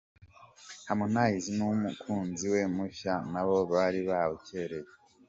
Harmonize n'umukunzi we mushya nabo bari babukereye.